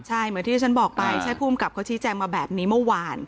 ใช่เหมือนที่ฉันบอกไปใช่ภูมิกับเขาชี้แจงมาแบบนี้เมื่อวาน